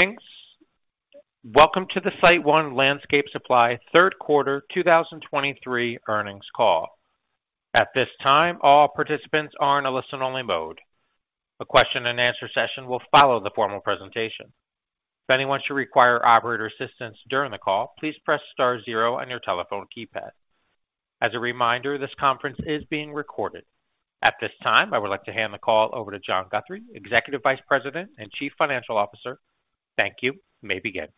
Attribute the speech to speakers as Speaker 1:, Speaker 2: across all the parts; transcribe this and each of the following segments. Speaker 1: Greetings! Welcome to the SiteOne Landscape Supply Third Quarter 2023 Earnings Call. At this time, all participants are in a listen-only mode. A question-and-answer session will follow the formal presentation. If anyone should require operator assistance during the call, please press star zero on your telephone keypad. As a reminder, this conference is being recorded. At this time, I would like to hand the call over to John Guthrie, Executive Vice President and Chief Financial Officer. Thank you. You may begin.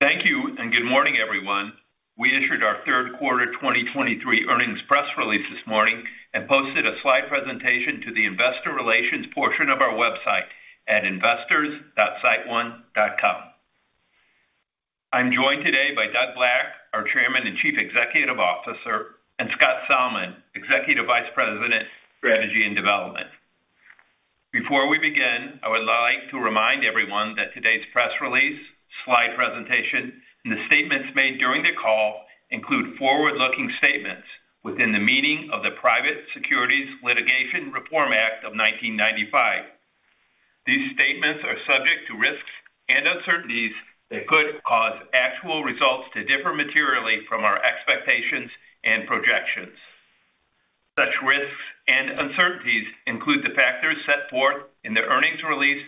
Speaker 2: Thank you, and good morning, everyone. We issued our third quarter 2023 earnings press release this morning and posted a slide presentation to the investor relations portion of our website at investors.siteone.com. I'm joined today by Doug Black, our Chairman and Chief Executive Officer, and Scott Salmon, Executive Vice President, Strategy and Development. Before we begin, I would like to remind everyone that today's press release, slide presentation, and the statements made during the call include forward-looking statements within the meaning of the Private Securities Litigation Reform Act of 1995. These statements are subject to risks and uncertainties that could cause actual results to differ materially from our expectations and projections. Such risks and uncertainties include the factors set forth in the earnings release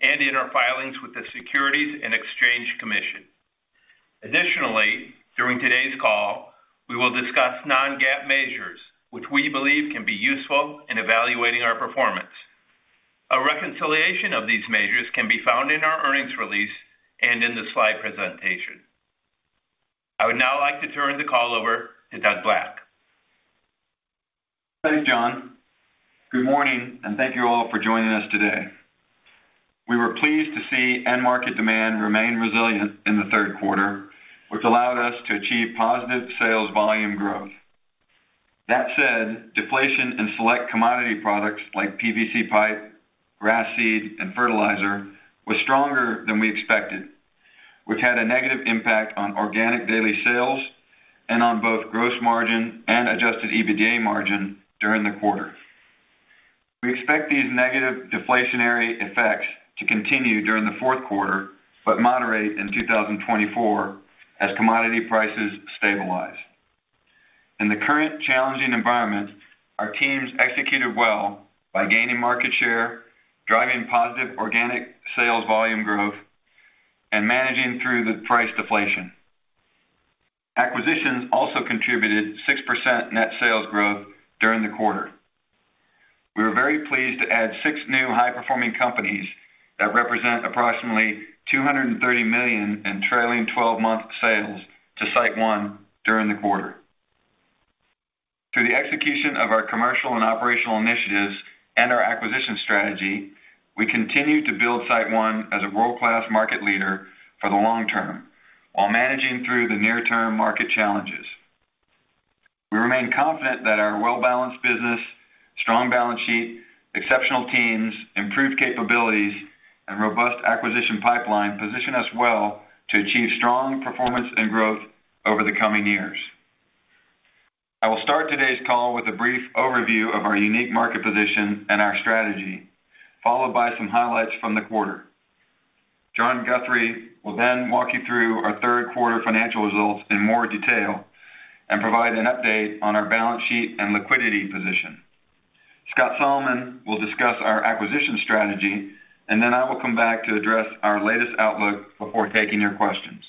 Speaker 2: and in our filings with the Securities and Exchange Commission. Additionally, during today's call, we will discuss non-GAAP measures, which we believe can be useful in evaluating our performance. A reconciliation of these measures can be found in our earnings release and in the slide presentation. I would now like to turn the call over to Doug Black.
Speaker 3: Thanks, John. Good morning, and thank you all for joining us today. We were pleased to see end market demand remain resilient in the third quarter, which allowed us to achieve positive sales volume growth. That said, deflation in select commodity products like PVC pipe, grass seed, and fertilizer was stronger than we expected, which had a negative impact on organic daily sales and on both gross margin and adjusted EBITDA margin during the quarter. We expect these negative deflationary effects to continue during the fourth quarter, but moderate in 2024 as commodity prices stabilize. In the current challenging environment, our teams executed well by gaining market share, driving positive organic sales volume growth, and managing through the price deflation. Acquisitions also contributed 6% net sales growth during the quarter. We were very pleased to add six new high-performing companies that represent approximately $230 million in trailing twelve-month sales to SiteOne during the quarter. Through the execution of our commercial and operational initiatives and our acquisition strategy, we continue to build SiteOne as a world-class market leader for the long term, while managing through the near-term market challenges. We remain confident that our well-balanced business, strong balance sheet, exceptional teams, improved capabilities, and robust acquisition pipeline position us well to achieve strong performance and growth over the coming years. I will start today's call with a brief overview of our unique market position and our strategy, followed by some highlights from the quarter. John Guthrie will then walk you through our third quarter financial results in more detail and provide an update on our balance sheet and liquidity position. Scott Salmon will discuss our acquisition strategy, and then I will come back to address our latest outlook before taking your questions.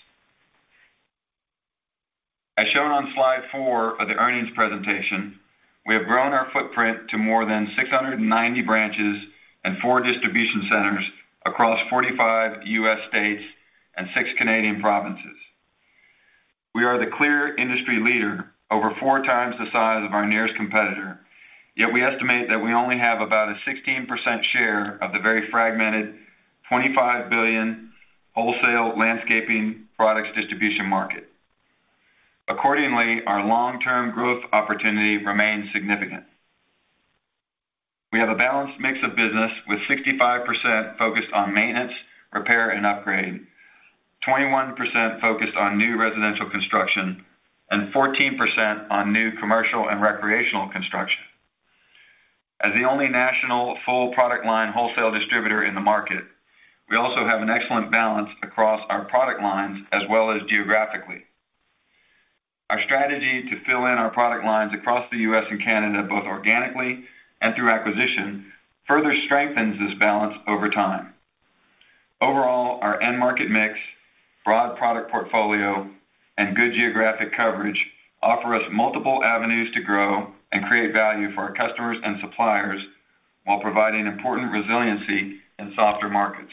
Speaker 3: As shown on slide four of the earnings presentation, we have grown our footprint to more than 690 branches and four distribution centers across 45 U.S. states and six Canadian provinces. We are the clear industry leader, over four times the size of our nearest competitor, yet we estimate that we only have about a 16% share of the very fragmented, $25 billion wholesale landscaping products distribution market. Accordingly, our long-term growth opportunity remains significant. We have a balanced mix of business, with 65% focused on maintenance, repair, and upgrade, 21% focused on new residential construction, and 14% on new commercial and recreational construction. As the only national full product line wholesale distributor in the market, we also have an excellent balance across our product lines as well as geographically. Our strategy to fill in our product lines across the U.S. and Canada, both organically and through acquisition, further strengthens this balance over time. Overall, our end market mix, broad product portfolio, and good geographic coverage offer us multiple avenues to grow and create value for our customers and suppliers while providing important resiliency in softer markets.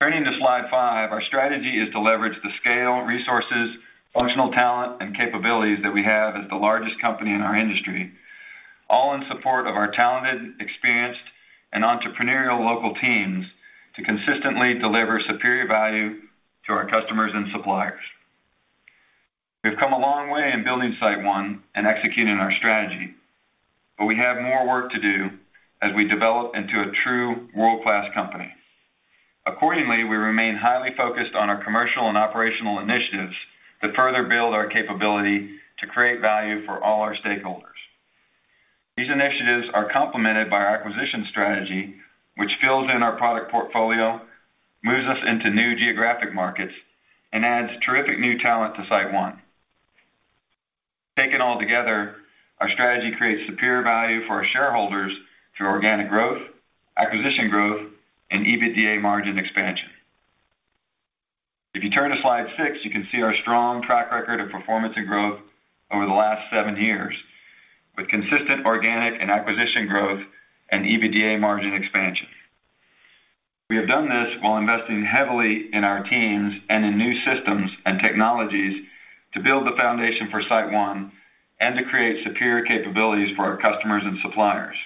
Speaker 3: Turning to slide five, our strategy is to leverage the scale, resources, functional talent, and capabilities that we have as the largest company in our industry, all in support of our talented, experienced, and entrepreneurial local teams to consistently deliver superior value to our customers and suppliers. We've come a long way in building SiteOne and executing our strategy, but we have more work to do as we develop into a true world-class company. Accordingly, we remain highly focused on our commercial and operational initiatives that further build our capability to create value for all our stakeholders.... These initiatives are complemented by our acquisition strategy, which fills in our product portfolio, moves us into new geographic markets, and adds terrific new talent to SiteOne. Taken all together, our strategy creates superior value for our shareholders through organic growth, acquisition growth, and EBITDA margin expansion. If you turn to slide six, you can see our strong track record of performance and growth over the last seven years, with consistent organic and acquisition growth and EBITDA margin expansion. We have done this while investing heavily in our teams and in new systems and technologies to build the foundation for SiteOne and to create superior capabilities for our customers and suppliers.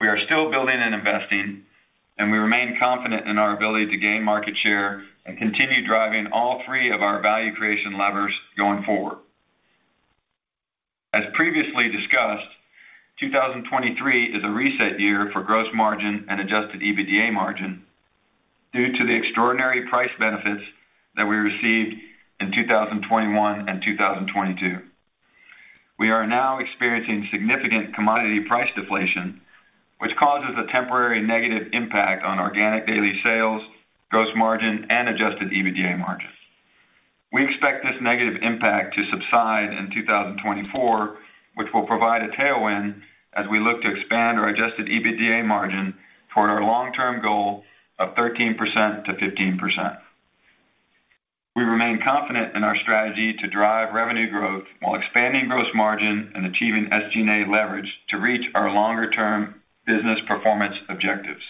Speaker 3: We are still building and investing, and we remain confident in our ability to gain market share and continue driving all three of our value creation levers going forward. As previously discussed, 2023 is a reset year for gross margin and adjusted EBITDA margin due to the extraordinary price benefits that we received in 2021 and 2022. We are now experiencing significant commodity price deflation, which causes a temporary negative impact on organic daily sales, gross margin, and adjusted EBITDA margin. We expect this negative impact to subside in 2024, which will provide a tailwind as we look to expand our Adjusted EBITDA margin toward our long-term goal of 13%-15%. We remain confident in our strategy to drive revenue growth while expanding gross margin and achieving SG&A leverage to reach our longer-term business performance objectives.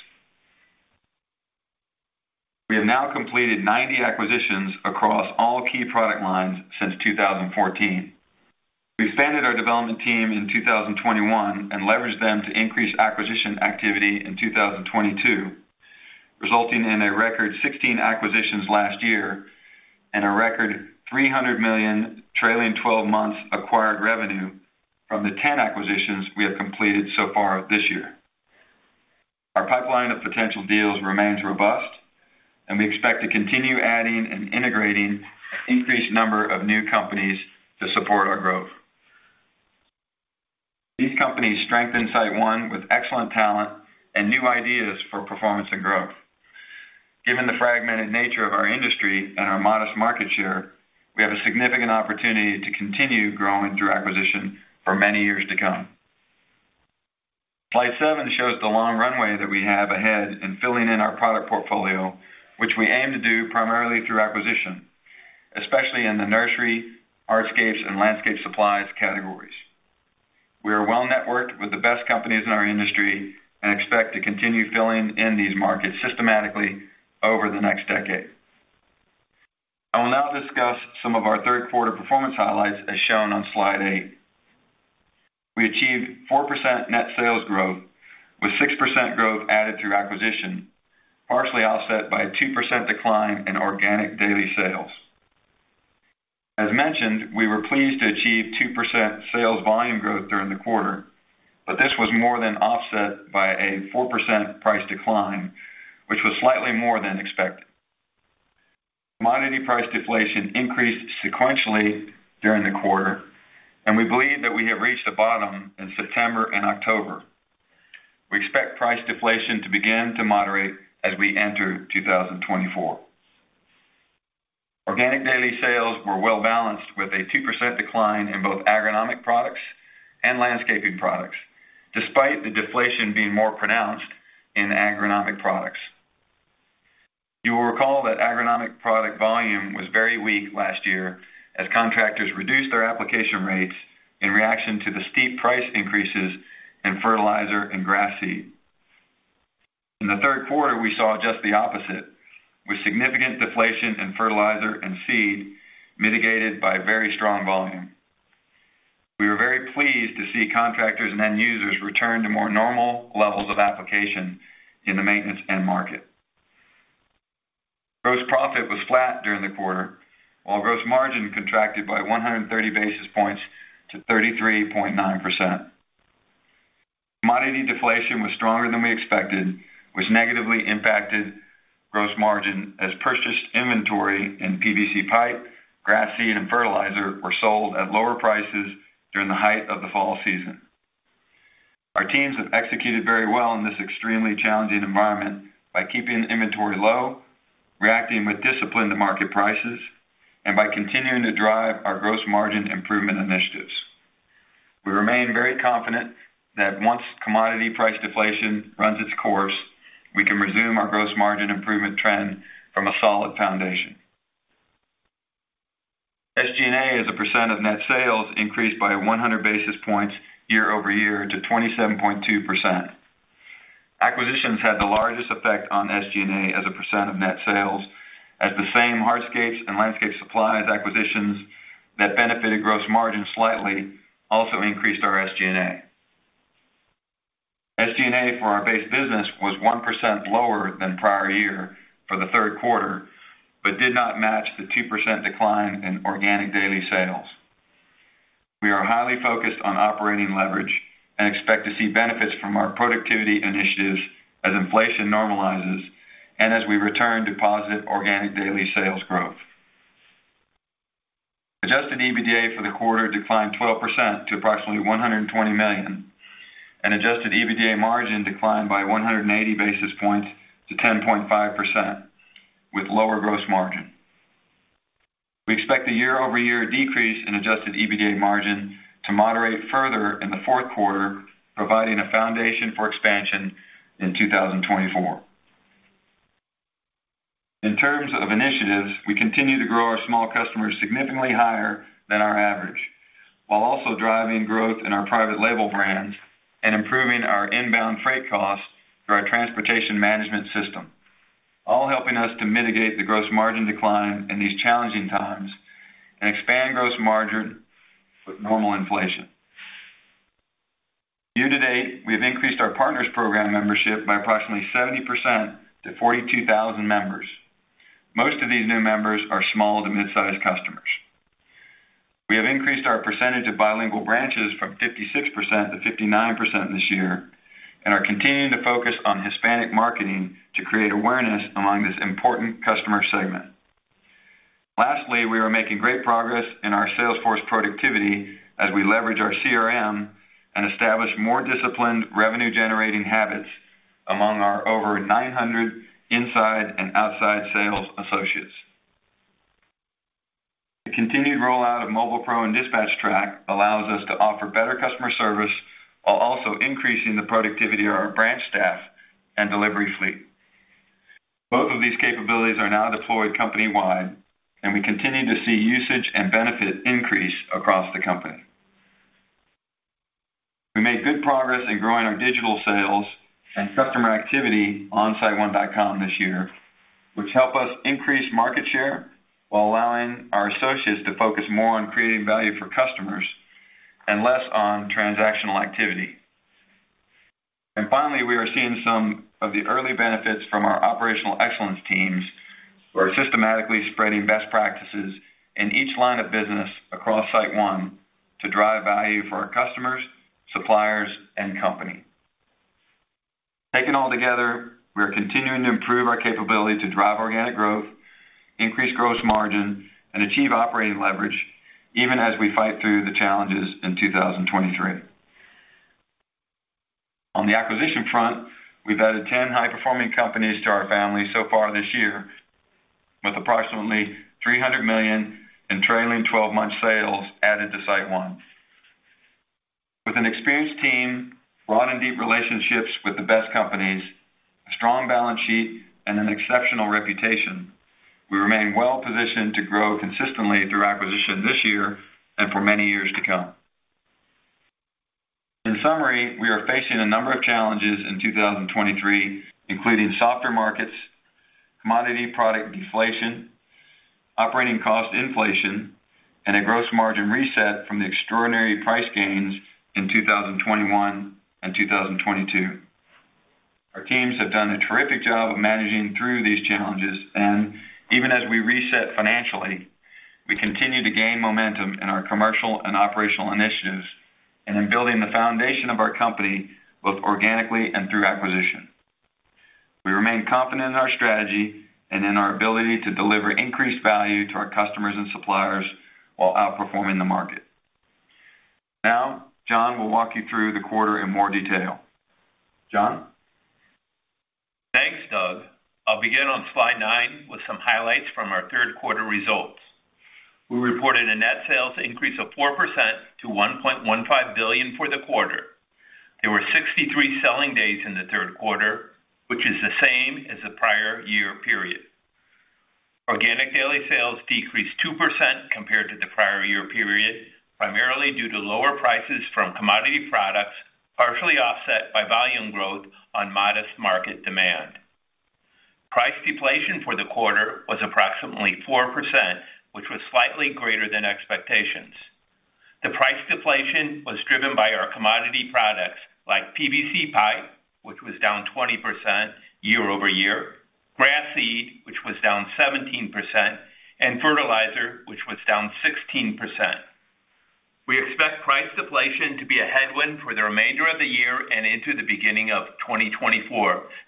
Speaker 3: We have now completed 90 acquisitions across all key product lines since 2014. We expanded our development team in 2021 and leveraged them to increase acquisition activity in 2022, resulting in a record 16 acquisitions last year and a record $300 million trailing twelve months acquired revenue from the 10 acquisitions we have completed so far this year. Our pipeline of potential deals remains robust, and we expect to continue adding and integrating an increased number of new companies to support our growth. These companies strengthen SiteOne with excellent talent and new ideas for performance and growth. Given the fragmented nature of our industry and our modest market share, we have a significant opportunity to continue growing through acquisition for many years to come. Slide seven shows the long runway that we have ahead in filling in our product portfolio, which we aim to do primarily through acquisition, especially in the nursery, hardscapes, and landscape supplies categories. We are well-networked with the best companies in our industry and expect to continue filling in these markets systematically over the next decade. I will now discuss some of our third quarter performance highlights, as shown on slide eight. We achieved 4% net sales growth, with 6% growth added through acquisition, partially offset by a 2% decline in organic daily sales. As mentioned, we were pleased to achieve 2% sales volume growth during the quarter, but this was more than offset by a 4% price decline, which was slightly more than expected. Commodity price deflation increased sequentially during the quarter, and we believe that we have reached the bottom in September and October. We expect price deflation to begin to moderate as we enter 2024. Organic daily sales were well balanced, with a 2% decline in both agronomic products and landscaping products, despite the deflation being more pronounced in agronomic products. You will recall that agronomic product volume was very weak last year as contractors reduced their application rates in reaction to the steep price increases in fertilizer and grass seed. In the third quarter, we saw just the opposite, with significant deflation in fertilizer and seed mitigated by very strong volume. We were very pleased to see contractors and end users return to more normal levels of application in the maintenance end market. Gross profit was flat during the quarter, while gross margin contracted by 130 basis points to 33.9%. Commodity deflation was stronger than we expected, which negatively impacted gross margin as purchased inventory in PVC pipe, grass seed, and fertilizer were sold at lower prices during the height of the fall season. Our teams have executed very well in this extremely challenging environment by keeping inventory low, reacting with discipline to market prices, and by continuing to drive our gross margin improvement initiatives. We remain very confident that once commodity price deflation runs its course, we can resume our gross margin improvement trend from a solid foundation. SG&A as a percent of net sales increased by 100 basis points year-over-year to 27.2%. Acquisitions had the largest effect on SG&A as a percent of net sales, as the same hardscapes and landscape supplies acquisitions that benefited gross margin slightly also increased our SG&A. SG&A for our base business was 1% lower than prior year for the third quarter, but did not match the 2% decline in organic daily sales. We are highly focused on operating leverage and expect to see benefits from our productivity initiatives as inflation normalizes and as we return to positive organic daily sales growth. Adjusted EBITDA for the quarter declined 12% to approximately $120 million, and adjusted EBITDA margin declined by 180 basis points to 10.5%, with lower gross margin. We expect the year-over-year decrease in adjusted EBITDA margin to moderate further in the fourth quarter, providing a foundation for expansion in 2024. In terms of initiatives, we continue to grow our small customers significantly higher than our average, while also driving growth in our private label brands and improving our inbound freight costs through our transportation management system, all helping us to mitigate the gross margin decline in these challenging times and expand gross margin with normal inflation. Year-to-date, we have increased our Partners Program membership by approximately 70% to 42,000 members. Most of these new members are small to mid-sized customers. We have increased our percentage of bilingual branches from 56% to 59% this year, and are continuing to focus on Hispanic marketing to create awareness among this important customer segment. Lastly, we are making great progress in our sales force productivity as we leverage our CRM and establish more disciplined revenue-generating habits among our over 900 inside and outside sales associates. The continued rollout of Mobile Pro and DispatchTrack allows us to offer better customer service while also increasing the productivity of our branch staff and delivery fleet. Both of these capabilities are now deployed company-wide, and we continue to see usage and benefit increase across the company. We made good progress in growing our digital sales and customer activity on siteone.com this year, which help us increase market share while allowing our associates to focus more on creating value for customers and less on transactional activity. Finally, we are seeing some of the early benefits from our operational excellence teams, who are systematically spreading best practices in each line of business across SiteOne to drive value for our customers, suppliers, and company. Taken all together, we are continuing to improve our capability to drive organic growth, increase gross margin, and achieve operating leverage, even as we fight through the challenges in 2023. On the acquisition front, we've added 10 high-performing companies to our family so far this year, with approximately $300 million in trailing twelve-month sales added to SiteOne. With an experienced team, broad and deep relationships with the best companies, a strong balance sheet, and an exceptional reputation, we remain well positioned to grow consistently through acquisition this year and for many years to come. In summary, we are facing a number of challenges in 2023, including softer markets, commodity product deflation, operating cost inflation, and a gross margin reset from the extraordinary price gains in 2021 and 2022. Our teams have done a terrific job of managing through these challenges, and even as we reset financially, we continue to gain momentum in our commercial and operational initiatives and in building the foundation of our company, both organically and through acquisition. We remain confident in our strategy and in our ability to deliver increased value to our customers and suppliers while outperforming the market. Now, John will walk you through the quarter in more detail. John?
Speaker 2: Thanks, Doug. I'll begin on slide nine with some highlights from our third quarter results. We reported a net sales increase of 4% to $1.15 billion for the quarter. There were 63 selling days in the third quarter, which is the same as the prior year period. Organic daily sales decreased 2% compared to the prior year period, primarily due to lower prices from commodity products, partially offset by volume growth on modest market demand. Price deflation for the quarter was approximately 4%, which was slightly greater than expectations. The price deflation was driven by our commodity products, like PVC pipe, which was down 20% year-over-year, grass seed, which was down 17%, and fertilizer, which was down 16%. We expect price deflation to be a headwind for the remainder of the year and into the beginning of 2024,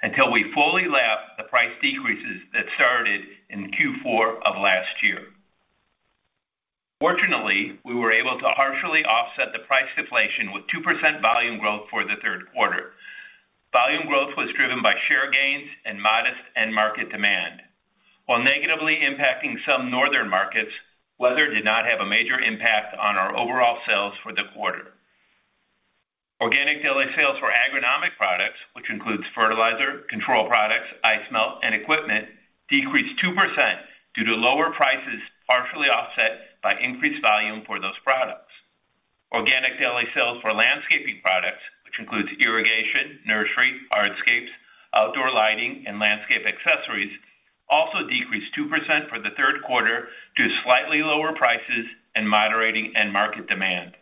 Speaker 2: until we fully lap the price decreases that started in Q4 of last year. Fortunately, we were able to partially offset the price deflation with 2% volume growth for the third quarter. Volume growth was driven by share gains and modest end market demand. While negatively impacting some northern markets, weather did not have a major impact on our overall sales for the quarter. Organic daily sales for agronomic products, which includes fertilizer, control products, ice melt, and equipment, decreased 2% due to lower prices, partially offset by increased volume for those products. Organic daily sales for landscaping products, which includes irrigation, nursery, hardscapes, outdoor lighting, and landscape accessories, also decreased 2% for the third quarter due to slightly lower prices and moderating end market demand.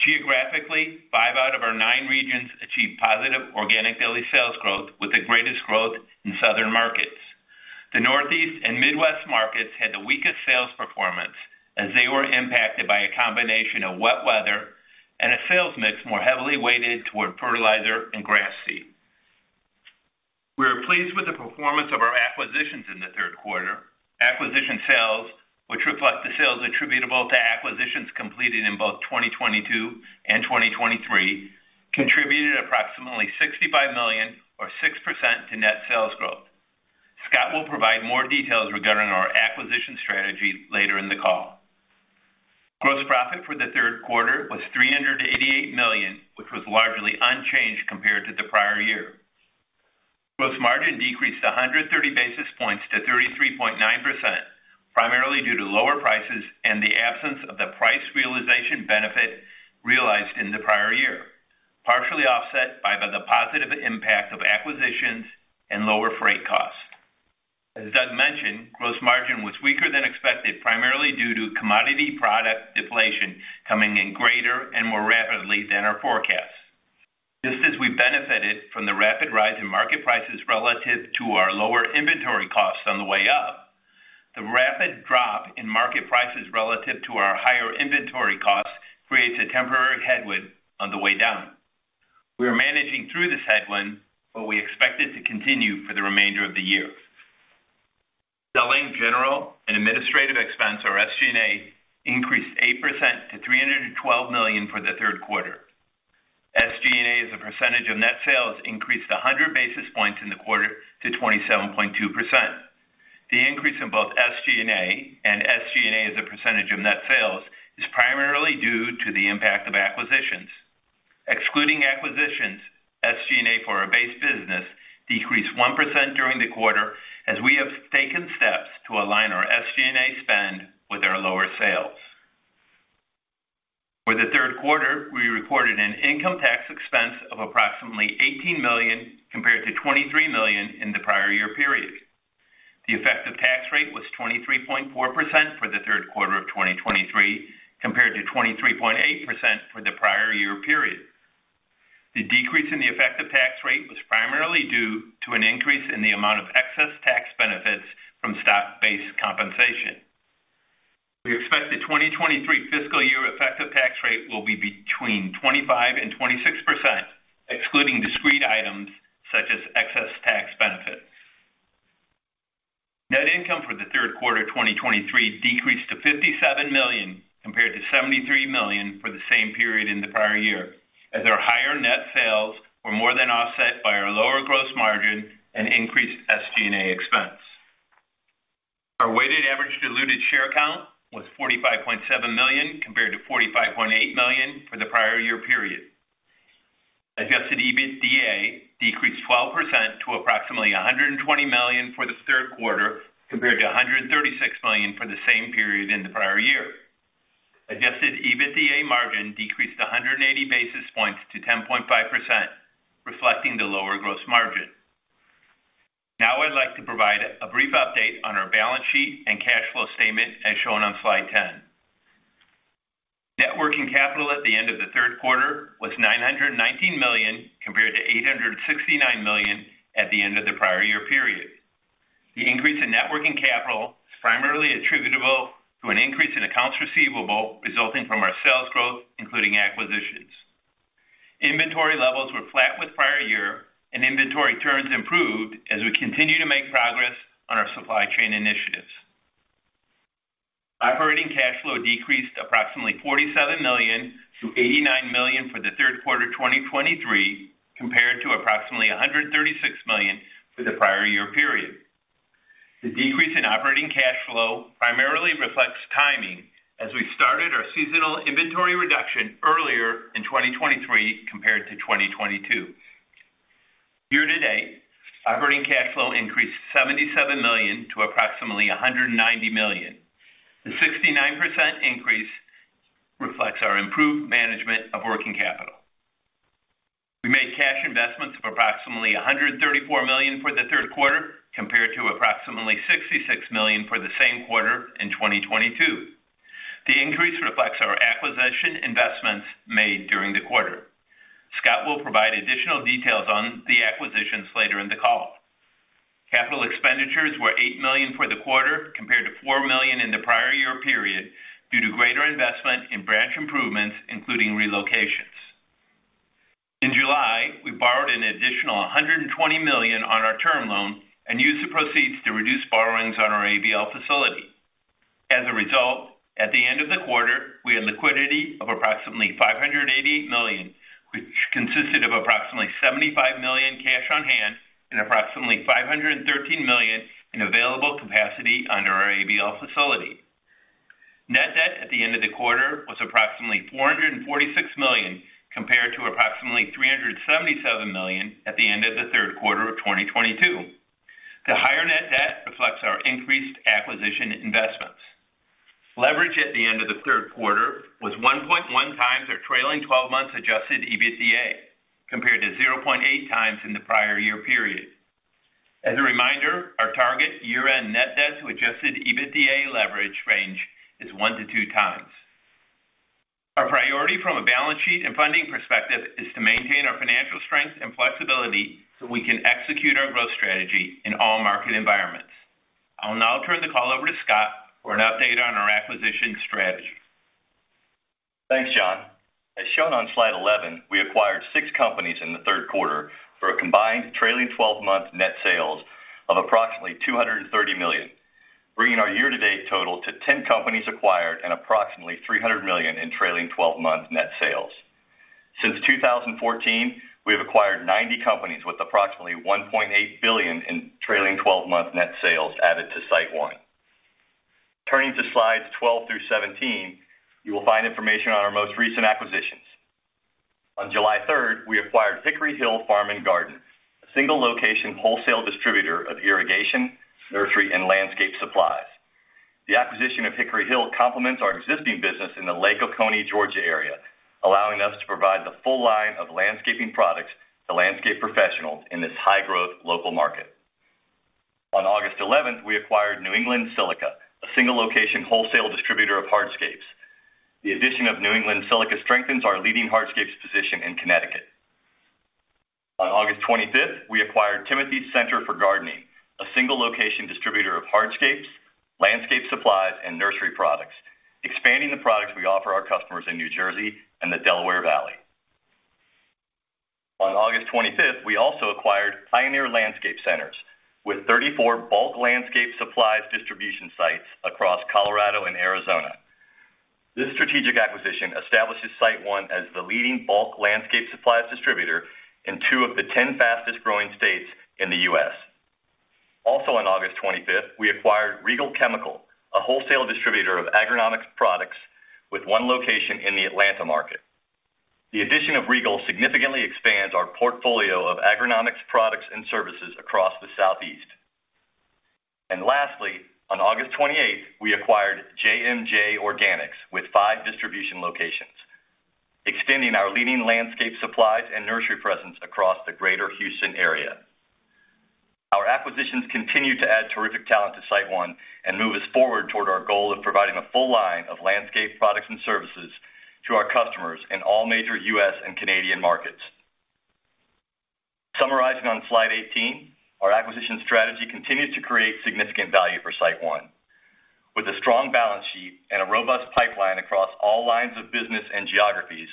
Speaker 2: Geographically, five out of our nine regions achieved positive organic daily sales growth, with the greatest growth in southern markets. The Northeast and Midwest markets had the weakest sales performance, as they were impacted by a combination of wet weather and a sales mix more heavily weighted toward fertilizer and grass seed.... Pleased with the performance of our acquisitions in the third quarter. Acquisition sales, which reflect the sales attributable to acquisitions completed in both 2022 and 2023, contributed approximately $65 million or 6% to net sales growth. Scott will provide more details regarding our acquisition strategy later in the call. Gross profit for the third quarter was $388 million, which was largely unchanged compared to the prior year. Gross margin decreased 100 basis points to 33.9%, primarily due to lower prices and the absence of the price realization benefit realized in the prior year, partially offset by the positive impact of acquisitions and lower freight costs. As Doug mentioned, gross margin was weaker than expected, primarily due to commodity product deflation coming in greater and more rapidly than our forecast. Just as we benefited from the rapid rise in market prices relative to our lower inventory costs on the way up, the rapid drop in market prices relative to our higher inventory costs creates a temporary headwind on the way down. We are managing through this headwind, but we expect it to continue for the remainder of the year. Selling, general, and administrative expense, or SG&A, increased 8% to $312 million for the third quarter. SG&A, as a percentage of net sales, increased 100 basis points in the quarter to 27.2%. The increase in both SG&A and SG&A, as a percentage of net sales, is primarily due to the impact of acquisitions. Excluding acquisitions, SG&A for our base business decreased 1% during the quarter, as we have taken steps to align our SG&A spend with our lower sales. For the third quarter, we reported an income tax expense of approximately $18 million, compared to $23 million in the prior year period. The effective tax rate was 23.4% for the third quarter of 2023, compared to 23.8% for the prior year period. The decrease in the effective tax rate was primarily due to an increase in the amount of excess tax benefits from stock-based compensation. We expect the 2023 fiscal year effective tax rate will be between 25%-26%, excluding discrete items such as excess tax benefits. Net income for the third quarter of 2023 decreased to $57 million, compared to $73 million for the same period in the prior year, as our higher net sales were more than offset by our lower gross margin and increased SG&A expense. Our weighted average diluted share count was 45.7 million, compared to 45.8 million for the prior year period. Adjusted EBITDA decreased 12% to approximately $120 million for the third quarter, compared to $136 million for the same period in the prior year. Adjusted EBITDA Margin decreased 180 basis points to 10.5%, reflecting the lower gross margin. Now I'd like to provide a brief update on our balance sheet and cash flow statement, as shown on slide 10. Net Working Capital at the end of the third quarter was $919 million, compared to $869 million at the end of the prior year period. The increase in Net Working Capital is primarily attributable to an increase in accounts receivable resulting from our sales growth, including acquisitions. Inventory levels were flat with prior year, and inventory turns improved as we continue to make progress on our supply chain initiatives. Operating cash flow decreased approximately $47 million to $89 million for the third quarter of 2023, compared to approximately $136 million for the prior year period. The decrease in operating cash flow primarily reflects timing as we started our seasonal inventory reduction earlier in 2023 compared to 2022. Year to date, operating cash flow increased $77 million to approximately $190 million. The 69% increase reflects our improved management of working capital. We made cash investments of approximately $134 million for the third quarter, compared to approximately $66 million for the same quarter in 2022. The increase reflects our acquisition investments made during the quarter. Scott will provide additional details on the acquisitions later in the call. Capital expenditures were $8 million for the quarter, compared to $4 million in the prior year period, due to greater investment in branch improvements, including relocations. In July, we borrowed an additional $120 million on our term loan and used the proceeds to reduce borrowings on our ABL facility. As a result, at the end of the quarter, we had liquidity of approximately $588 million, which consisted of approximately $75 million cash on hand and approximately $513 million in available capacity under our ABL facility. Net debt at the end of the quarter was approximately $446 million, compared to approximately $377 million at the end of the third quarter of 2022. The higher net debt reflects our increased acquisition investments. Leverage at the end of the third quarter was 1.1 times our trailing twelve-month Adjusted EBITDA, compared to 0.8 times in the prior year period. As a reminder, our target year-end net debt to Adjusted EBITDA leverage range is 1-2 times. Our priority from a balance sheet and funding perspective is to maintain our financial strength and flexibility so we can execute our growth strategy in all market environments. I will now turn the call over to Scott for an update on our acquisition strategy....
Speaker 4: Thanks, John. As shown on slide 11, we acquired six companies in the third quarter for a combined trailing twelve-month net sales of approximately $230 million, bringing our year-to-date total to 10 companies acquired and approximately $300 million in trailing twelve-month net sales. Since 2014, we have acquired 90 companies with approximately $1.8 billion in trailing twelve-month net sales added to SiteOne. Turning to slides 12 through 17, you will find information on our most recent acquisitions. On July 3, we acquired Hickory Hill Farm and Garden, a single-location wholesale distributor of irrigation, nursery, and landscape supplies. The acquisition of Hickory Hill complements our existing business in the Lake Oconee, Georgia, area, allowing us to provide the full line of landscaping products to landscape professionals in this high-growth local market. On August 11th, we acquired New England Silica, a single-location wholesale distributor of hardscapes. The addition of New England Silica strengthens our leading hardscapes position in Connecticut. On August 25th, we acquired Timothy's Center for Gardening, a single-location distributor of hardscapes, landscape supplies, and nursery products, expanding the products we offer our customers in New Jersey and the Delaware Valley. On August 25th, we also acquired Pioneer Landscape Centers, with 34 bulk landscape supplies distribution sites across Colorado and Arizona. This strategic acquisition establishes SiteOne as the leading bulk landscape supplies distributor in two of the 10 fastest-growing states in the U.S. Also, on August 25th, we acquired Regal Chemical, a wholesale distributor of agronomic products, with one location in the Atlanta market. The addition of Regal significantly expands our portfolio of agronomic products and services across the Southeast. And lastly, on August 28th, we acquired JMJ Organics, with five distribution locations, extending our leading landscape supplies and nursery presence across the greater Houston area. Our acquisitions continue to add terrific talent to SiteOne and move us forward toward our goal of providing a full line of landscape products and services to our customers in all major U.S. and Canadian markets. Summarizing on slide 18, our acquisition strategy continues to create significant value for SiteOne. With a strong balance sheet and a robust pipeline across all lines of business and geographies,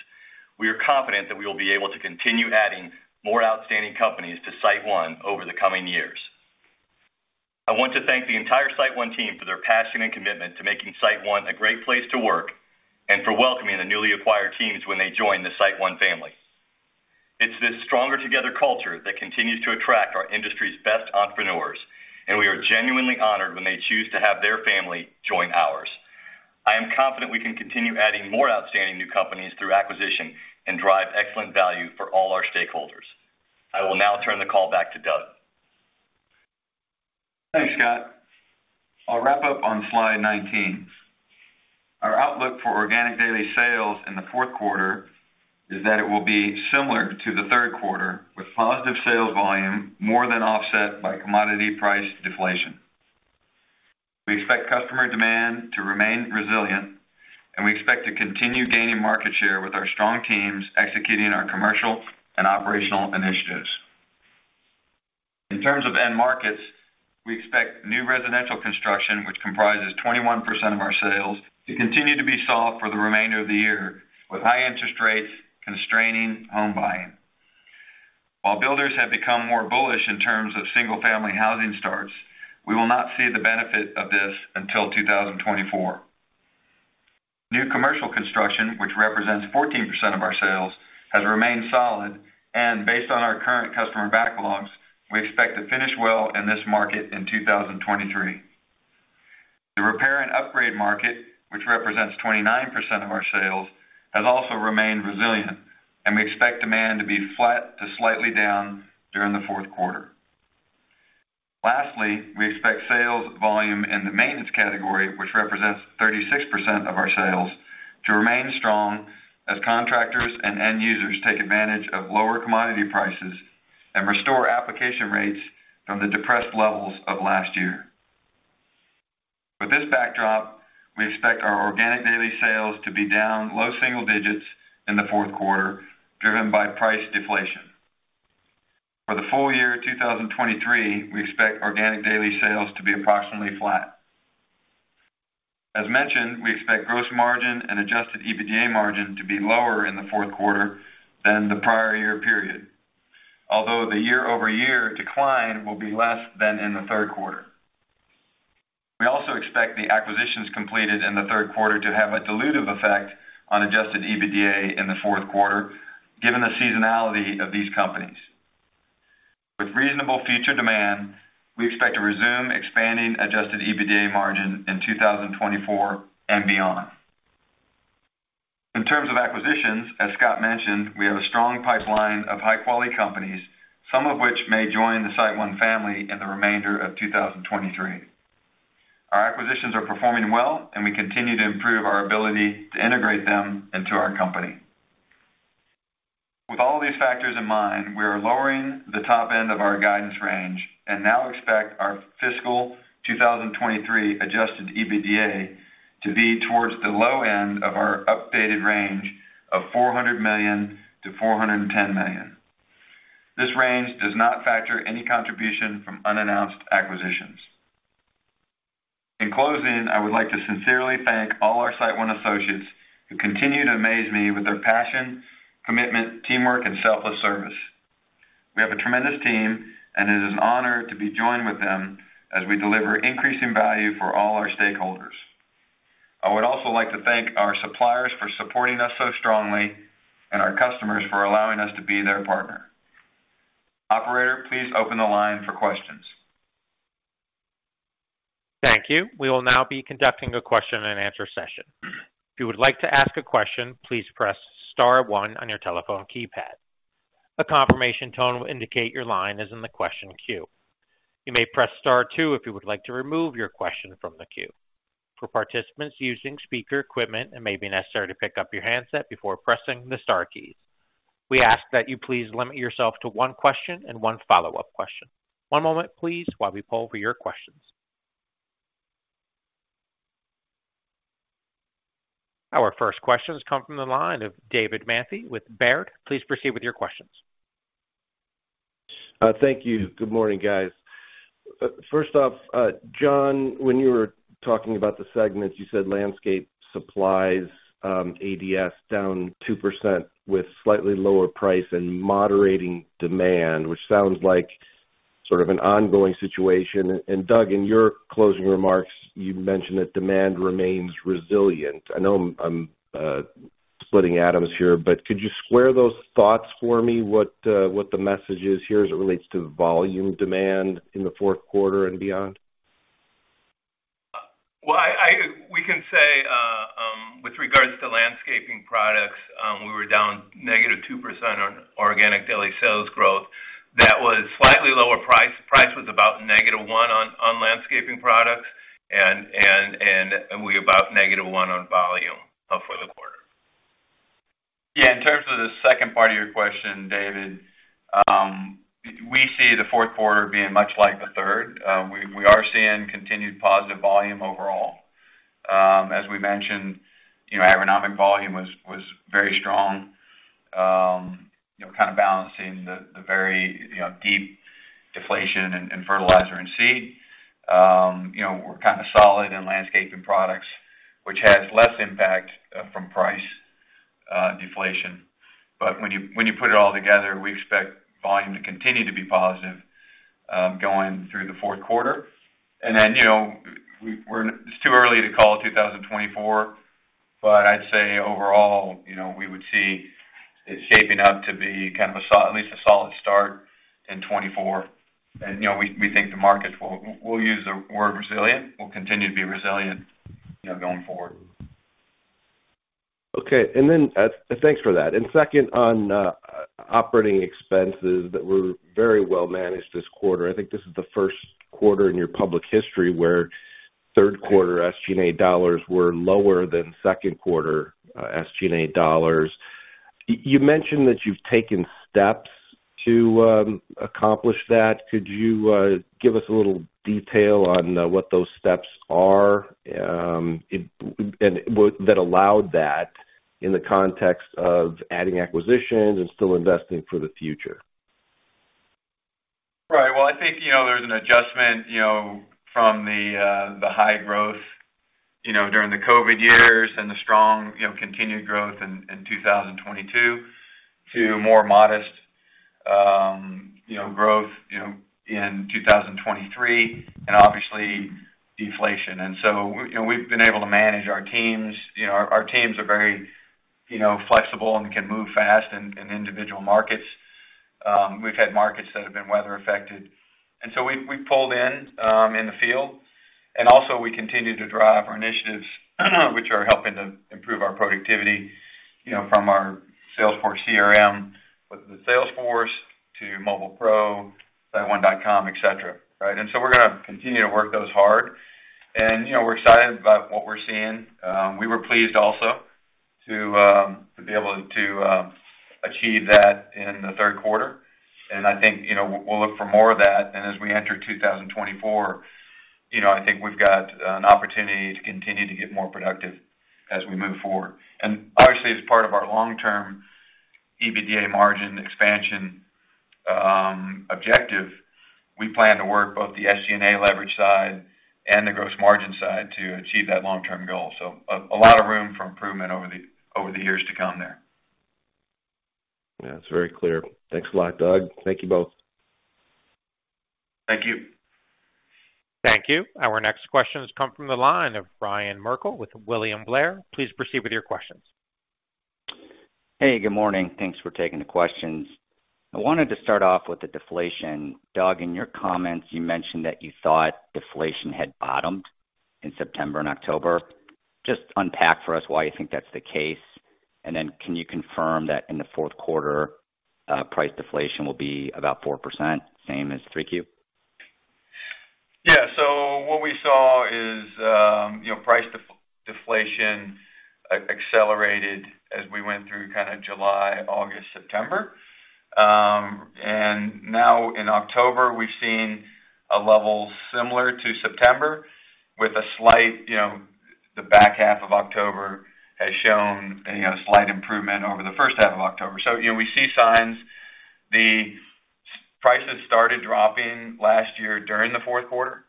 Speaker 4: we are confident that we will be able to continue adding more outstanding companies to SiteOne over the coming years. I want to thank the entire SiteOne team for their passion and commitment to making SiteOne a great place to work and for welcoming the newly acquired teams when they join the SiteOne family. It's this stronger together culture that continues to attract our industry's best entrepreneurs, and we are genuinely honored when they choose to have their family join ours. I am confident we can continue adding more outstanding new companies through acquisition and drive excellent value for all our stakeholders. I will now turn the call back to Doug.
Speaker 3: Thanks, Scott. I'll wrap up on slide 19. Our outlook for organic daily sales in the fourth quarter is that it will be similar to the third quarter, with positive sales volume more than offset by commodity price deflation. We expect customer demand to remain resilient, and we expect to continue gaining market share with our strong teams executing our commercial and operational initiatives. In terms of end markets, we expect new residential construction, which comprises 21% of our sales, to continue to be soft for the remainder of the year, with high interest rates constraining home buying. While builders have become more bullish in terms of single-family housing starts, we will not see the benefit of this until 2024. New commercial construction, which represents 14% of our sales, has remained solid, and based on our current customer backlogs, we expect to finish well in this market in 2023. The repair and upgrade market, which represents 29% of our sales, has also remained resilient, and we expect demand to be flat to slightly down during the fourth quarter. Lastly, we expect sales volume in the maintenance category, which represents 36% of our sales, to remain strong as contractors and end users take advantage of lower commodity prices and restore application rates from the depressed levels of last year. With this backdrop, we expect our organic daily sales to be down low single digits in the fourth quarter, driven by price deflation. For the full year 2023, we expect organic daily sales to be approximately flat. As mentioned, we expect Gross Margin and Adjusted EBITDA Margin to be lower in the fourth quarter than the prior year period, although the year-over-year decline will be less than in the third quarter. We also expect the acquisitions completed in the third quarter to have a dilutive effect on Adjusted EBITDA in the fourth quarter, given the seasonality of these companies. With reasonable future demand, we expect to resume expanding Adjusted EBITDA Margin in 2024 and beyond. In terms of acquisitions, as Scott mentioned, we have a strong pipeline of high-quality companies, some of which may join the SiteOne family in the remainder of 2023. Our acquisitions are performing well, and we continue to improve our ability to integrate them into our company. With all these factors in mind, we are lowering the top end of our guidance range and now expect our fiscal 2023 Adjusted EBITDA to be towards the low end of our updated range of $400 million-$410 million. This range does not factor any contribution from unannounced acquisitions.... In closing, I would like to sincerely thank all our SiteOne associates who continue to amaze me with their passion, commitment, teamwork, and selfless service. We have a tremendous team, and it is an honor to be joined with them as we deliver increasing value for all our stakeholders. I would also like to thank our suppliers for supporting us so strongly and our customers for allowing us to be their partner. Operator, please open the line for questions.
Speaker 1: Thank you. We will now be conducting a question-and-answer session. If you would like to ask a question, please press star one on your telephone keypad. A confirmation tone will indicate your line is in the question queue. You may press star two if you would like to remove your question from the queue. For participants using speaker equipment, it may be necessary to pick up your handset before pressing the star keys. We ask that you please limit yourself to one question and one follow-up question. One moment, please, while we poll for your questions. Our first questions come from the line of David Manthey with Baird. Please proceed with your questions.
Speaker 5: Thank you. Good morning, guys. First off, John, when you were talking about the segments, you said landscape supplies, ADS, down 2% with slightly lower price and moderating demand, which sounds like sort of an ongoing situation. And, Doug, in your closing remarks, you mentioned that demand remains resilient. I know I'm splitting atoms here, but could you square those thoughts for me, what the message is here as it relates to volume demand in the fourth quarter and beyond?
Speaker 2: Well, we can say with regards to landscaping products, we were down -2% on organic daily sales growth. That was slightly lower price. Price was about -1 on landscaping products, and we're about -1 on volume for the quarter.
Speaker 3: Yeah, in terms of the second part of your question, David, we see the fourth quarter being much like the third. We are seeing continued positive volume overall. As we mentioned, you know, agronomic volume was very strong, you know, kind of balancing the very, you know, deep deflation in fertilizer and seed. You know, we're kind of solid in landscaping products, which has less impact from price deflation. But when you put it all together, we expect volume to continue to be positive going through the fourth quarter. And then, you know, we're—it's too early to call 2024, but I'd say overall, you know, we would see it shaping up to be kind of at least a solid start in 2024. You know, we think the markets will, we'll use the word resilient, will continue to be resilient, you know, going forward.
Speaker 5: Okay. And then, thanks for that. And second, on operating expenses that were very well managed this quarter. I think this is the first quarter in your public history where third quarter SG&A dollars were lower than second quarter SG&A dollars. You mentioned that you've taken steps to accomplish that. Could you give us a little detail on what those steps are, and what that allowed in the context of adding acquisitions and still investing for the future?
Speaker 3: Right. Well, I think, you know, there's an adjustment, you know, from the, the high growth, you know, during the COVID years and the strong, you know, continued growth in, in 2022, to more modest, you know, growth, you know, in 2023, and obviously, deflation. And so, you know, we've been able to manage our teams. You know, our, our teams are very, you know, flexible and can move fast in, in individual markets. We've had markets that have been weather affected, and so we've, we've pulled in, in the field. And also, we continue to drive our initiatives, which are helping to improve our productivity, you know, from our Salesforce CRM with the Salesforce to Mobile Pro, siteone.com, et cetera, right? And so we're gonna continue to work those hard. And, you know, we're excited about what we're seeing. We were pleased also to be able to achieve that in the third quarter. And I think, you know, we'll look for more of that. And as we enter 2024, you know, I think we've got an opportunity to continue to get more productive as we move forward. And obviously, as part of our long-term EBITDA margin expansion objective, we plan to work both the SG&A leverage side and the gross margin side to achieve that long-term goal. So, a lot of room for improvement over the years to come there.
Speaker 5: Yeah, it's very clear. Thanks a lot, Doug. Thank you both.
Speaker 3: Thank you.
Speaker 1: Thank you. Our next questions come from the line of Ryan Merkel with William Blair. Please proceed with your questions.
Speaker 6: Hey, good morning. Thanks for taking the questions. I wanted to start off with the deflation. Doug, in your comments, you mentioned that you thought deflation had bottomed in September and October. Just unpack for us why you think that's the case, and then can you confirm that in the fourth quarter, price deflation will be about 4%, same as 3Q?
Speaker 3: Yeah. So what we saw is, you know, price deflation accelerated as we went through kind of July, August, September. And now in October, we've seen a level similar to September with a slight, you know, the back half of October has shown, you know, a slight improvement over the first half of October. So, you know, we see signs. Prices started dropping last year during the fourth quarter.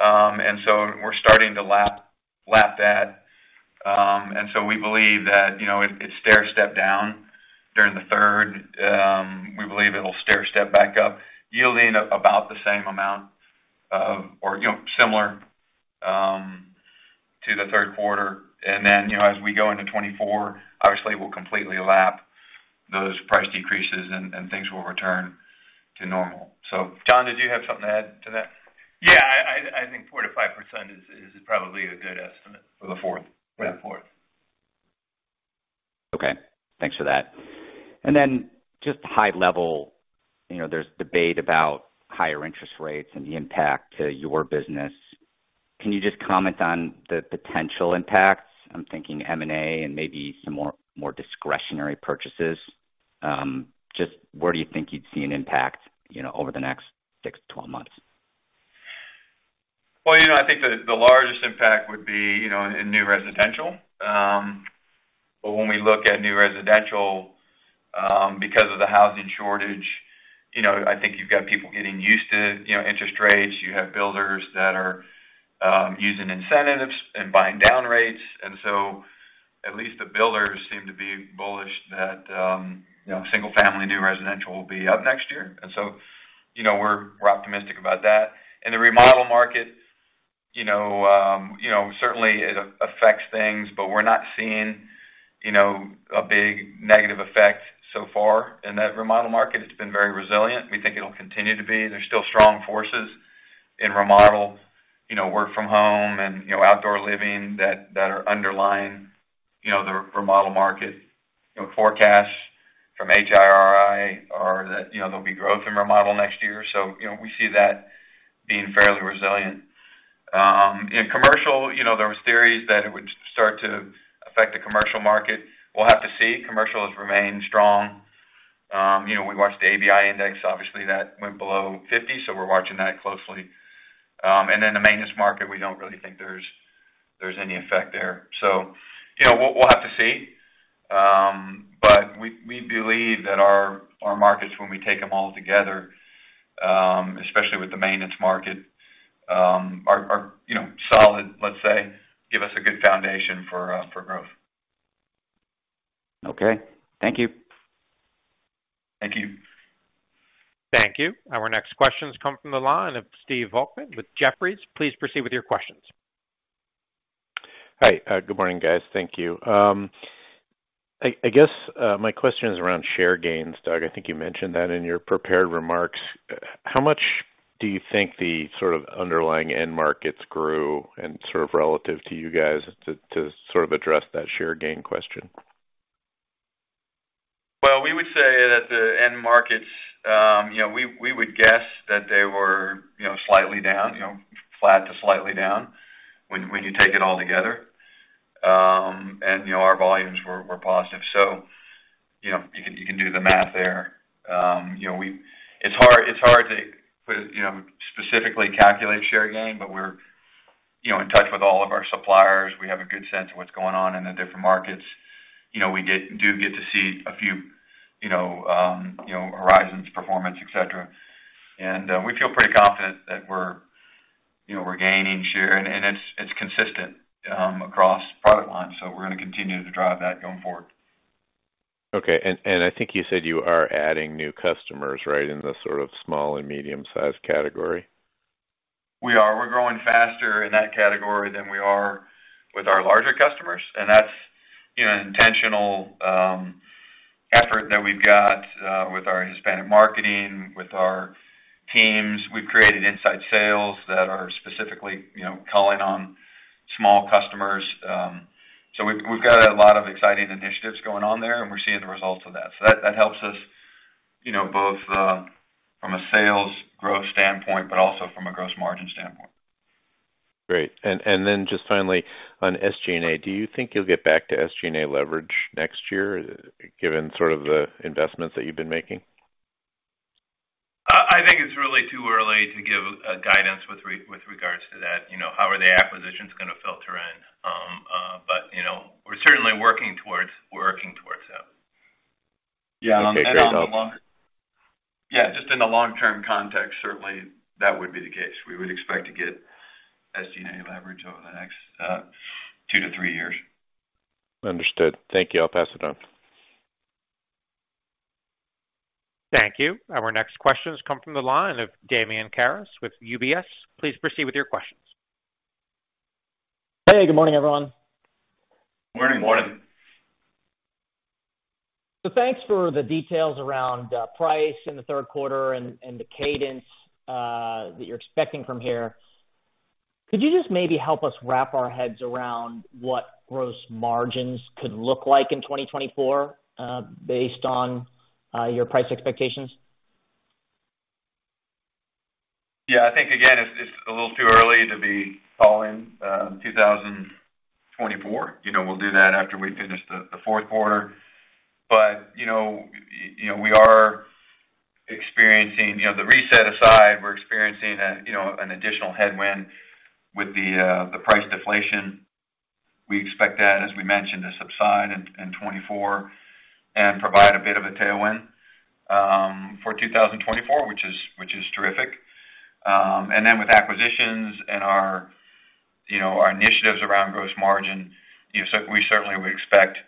Speaker 3: And so we're starting to lap that. And so we believe that, you know, it stair-stepped down during the third. We believe it'll stair-step back up, yielding about the same amount of or, you know, similar to the third quarter. And then, you know, as we go into 2024, obviously, we'll completely lap those price decreases and things will return to normal. So, John, did you have something to add to that?
Speaker 2: Yeah, I think 4%-5% is probably a good estimate.
Speaker 3: For the fourth?
Speaker 2: For the fourth.
Speaker 6: Okay, thanks for that. And then, just high level, you know, there's debate about higher interest rates and the impact to your business. Can you just comment on the potential impacts? I'm thinking M&A, and maybe some more, more discretionary purchases. Just where do you think you'd see an impact, you know, over the next 6-12 months?
Speaker 3: Well, you know, I think the largest impact would be, you know, in new residential. But when we look at new residential, because of the housing shortage, you know, I think you've got people getting used to, you know, interest rates. You have builders that are using incentives and buying down rates. And so at least the builders seem to be bullish that, you know, single-family new residential will be up next year, and so, you know, we're optimistic about that. In the remodel market, you know, certainly it affects things, but we're not seeing, you know, a big negative effect so far in that remodel market. It's been very resilient. We think it'll continue to be. There's still strong forces in remodel, you know, work from home and, you know, outdoor living, that are underlying, you know, the remodel market. You know, forecasts from HIRI are that, you know, there'll be growth in remodel next year, so, you know, we see that being fairly resilient. In commercial, you know, there was theories that it would start to affect the commercial market. We'll have to see. Commercial has remained strong. You know, we watched the ABI index. Obviously, that went below 50, so we're watching that closely. And then, the maintenance market, we don't really think there's any effect there. So, you know, we'll have to see. But we believe that our markets, when we take them all together, especially with the maintenance market, are, you know, solid, let's say, give us a good foundation for growth.
Speaker 6: Okay, thank you.
Speaker 3: Thank you.
Speaker 1: Thank you. Our next question comes from the line of Steve Volkmann with Jefferies. Please proceed with your questions.
Speaker 7: Hi, good morning, guys. Thank you. I guess my question is around share gains. Doug, I think you mentioned that in your prepared remarks. How much do you think the sort of underlying end markets grew, and sort of relative to you guys, to sort of address that share gain question?
Speaker 3: Well, we would say that the end markets, you know, we would guess that they were, you know, slightly down, you know, flat to slightly down when you take it all together. And, you know, our volumes were positive. So, you know, you can do the math there. You know, it's hard to put specifically calculate share gain, but we're, you know, in touch with all of our suppliers. We have a good sense of what's going on in the different markets. You know, we get to see a few, you know, horizons, performance, et cetera. And we feel pretty confident that we're, you know, gaining share, and it's consistent across product lines. So we're gonna continue to drive that going forward.
Speaker 7: Okay. And I think you said you are adding new customers, right? In the sort of small and medium-sized category.
Speaker 3: We are. We're growing faster in that category than we are with our larger customers, and that's, you know, an intentional effort that we've got with our Hispanic marketing, with our teams. We've created inside sales that are specifically, you know, calling on small customers. So we've got a lot of exciting initiatives going on there, and we're seeing the results of that. So that helps us, you know, both from a sales growth standpoint, but also from a gross margin standpoint.
Speaker 7: Great. And then just finally, on SG&A, do you think you'll get back to SG&A leverage next year, given sort of the investments that you've been making?
Speaker 3: I think it's really too early to give a guidance with regards to that. You know, how are the acquisitions gonna filter in? But, you know, we're certainly working towards that.
Speaker 7: Okay.
Speaker 3: Yeah, just in the long-term context, certainly that would be the case. We would expect to get SG&A leverage over the next two to three years.
Speaker 7: Understood. Thank you. I'll pass it on.
Speaker 1: Thank you. Our next question has come from the line of Damian Karas with UBS. Please proceed with your questions.
Speaker 8: Hey, good morning, everyone.
Speaker 3: Morning.
Speaker 8: Thanks for the details around price in the third quarter and the cadence that you're expecting from here. Could you just maybe help us wrap our heads around what gross margins could look like in 2024, based on your price expectations?
Speaker 3: Yeah. I think, again, it's a little too early to be calling 2024. You know, we'll do that after we finish the fourth quarter. But, you know, we are experiencing... You know, the reset aside- we're experiencing an additional headwind with the, the price deflation. We expect that, as we mentioned, to subside in, in 2024 and provide a bit of a tailwind, for 2024, which is, which is terrific. And then with acquisitions and our, you know, our initiatives around gross margin, you know, we certainly would expect,